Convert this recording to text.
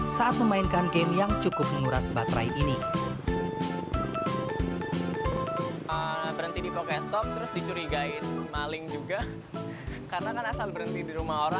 saat memainkan game yang cukup menguras baterai ini